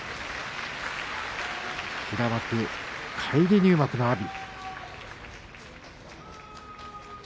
平幕、返り入幕の阿炎。